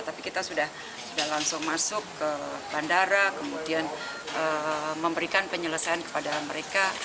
tapi kita sudah langsung masuk ke bandara kemudian memberikan penyelesaian kepada mereka